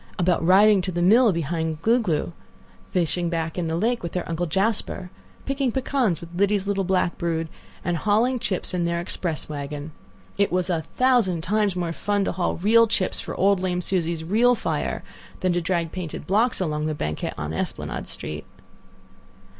About riding to the mill behind Gluglu; fishing back in the lake with their Uncle Jasper; picking pecans with Lidie's little black brood, and hauling chips in their express wagon. It was a thousand times more fun to haul real chips for old lame Susie's real fire than to drag painted blocks along the banquette on Esplanade Street!